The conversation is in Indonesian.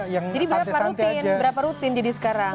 jadi berapa rutin jadi sekarang